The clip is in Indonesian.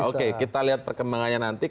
oke kita lihat perkembangannya nanti